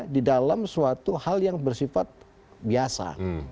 di dalam suatu hal yang bersifat biasa